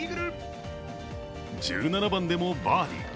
１７番でもバーディー。